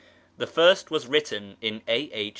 The first was written in a.h.